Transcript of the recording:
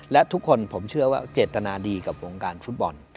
และทุกคนผมเชื่อว่าเจตนาดีกับวงการฟุตบอล